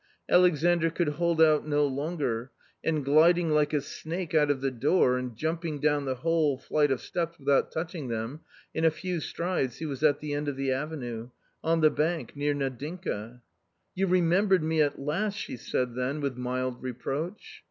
Alexandr could hold out no longer, and gliding like a snake out of the door, and jumping down the whole flight of steps without touching them, in a few strides he was at the end of the avenue — on the bank, near Nadinka. " You remembered me at last !" she said then with mild reproach.